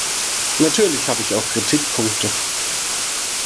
Natürlich habe ich auch Kritikpunkte.